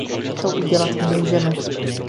To udělat můžeme.